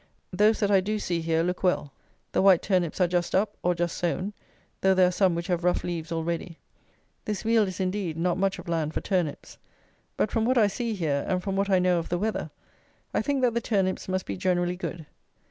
Those that I do see here look well. The white turnips are just up, or just sown, though there are some which have rough leaves already. This Weald is, indeed, not much of land for turnips; but from what I see here, and from what I know of the weather, I think that the turnips must be generally good.